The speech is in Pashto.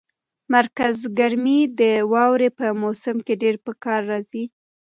مرکز ګرمي د واورې په موسم کې ډېره په کار راځي.